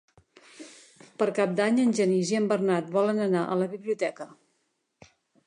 Per Cap d'Any en Genís i en Bernat volen anar a la biblioteca.